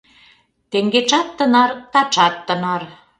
Теҥгечат тынар, тачат тынар!